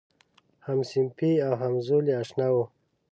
همصنفي او همزولی آشنا و.